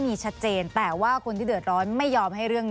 มีความรู้สึกว่ามีความรู้สึกว่ามีความรู้สึกว่า